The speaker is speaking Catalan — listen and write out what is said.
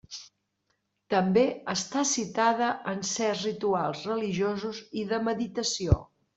També està citada en certs rituals religiosos i de meditació.